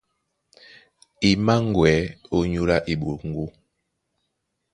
E mǎŋgwɛ̌ ónyólá eɓoŋgó.